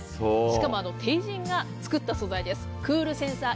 しかもＴＥＩＪＩＮが作った素材です。